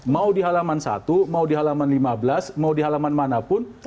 mau di halaman satu mau di halaman lima belas mau di halaman manapun